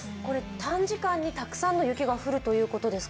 短時間にたくさんの雪が降るということですか。